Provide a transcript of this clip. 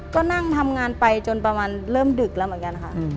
ก็นั่งทำงานไปจนประมาณเริ่มดึกแล้วเหมือนกันค่ะ